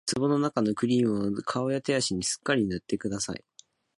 壺のなかのクリームを顔や手足にすっかり塗ってください